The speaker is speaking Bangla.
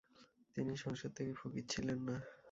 তিনি সংসারত্যাগী ফকির ছিলেন না।